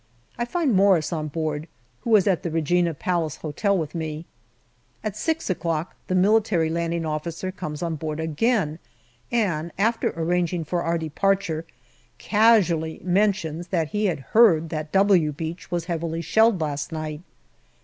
I find Morris on board, who was at the Regina Palace Hotel with me* At six o'clock the M.L.O. comes on board again, and after arranging for our departure, casually mentions that he had heard that " W " Beach was heavily shelled last night.